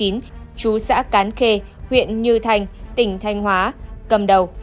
chú xã cán khê huyện như thành tỉnh thanh hóa cầm đầu